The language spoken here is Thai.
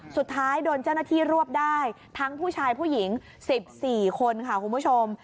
สุดท้ายโดนเจ้าหน้าที่รวบได้ทั้งผู้ชายผู้หญิง๑๔คนค่ะคุณผู้ชม